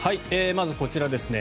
まず、こちらです。